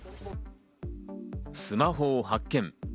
スマホを発見。